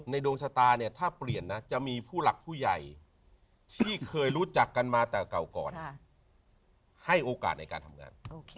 ดวงชะตาเนี่ยถ้าเปลี่ยนนะจะมีผู้หลักผู้ใหญ่ที่เคยรู้จักกันมาแต่เก่าก่อนให้โอกาสในการทำงาน